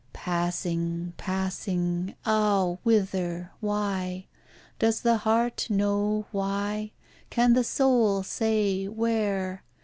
Passing, passing ah! whither? Why? Does the heart know why? Can the soul say where?